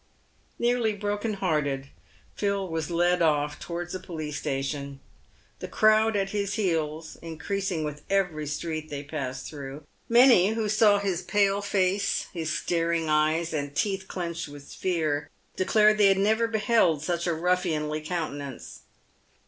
Nearly broken hearted, Phil was led off towards the police station, the crowd at his heels increasing with every street they passed through. Many who saw his pale face, his staring eyes, and teeth clinched with fear, declared they had never beheld such a ruffianly countenance.